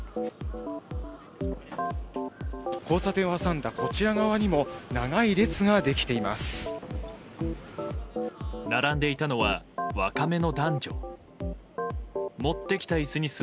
交差点を挟んだこちら側にも長い列ができています。